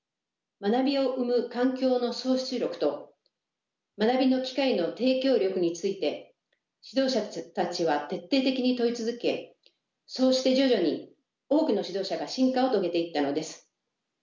「学びを生む環境の創出力」と「学びの機会の提供力」について指導者たちは徹底的に問い続けそうして徐々に多くの指導者が進化を遂げていったのです。